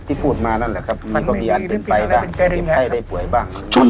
ที่พูดมานั่นแหละครับมีคนอัดอื่นไปบ้างมีไพรใดป่วยบ้าง